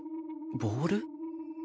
ボール？